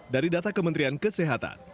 dari data kementerian kesehatan